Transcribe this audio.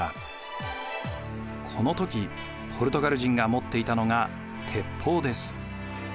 この時ポルトガル人が持っていたのが鉄砲です。